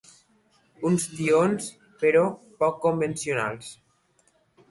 Uns tions, però, poc convencionals.